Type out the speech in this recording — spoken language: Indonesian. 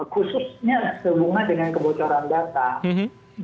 khususnya sehubungan dengan kebocoran data